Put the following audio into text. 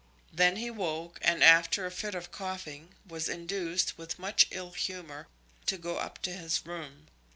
Then he woke, and after a fit of coughing, was induced, with much ill humour, to go up to his room.